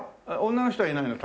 女の人はいないの？